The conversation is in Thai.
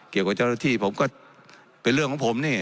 เกี่ยวกับเจ้าหน้าที่ผมก็เป็นเรื่องของผมนี่